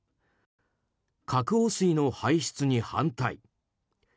「核汚水の排出に反対」。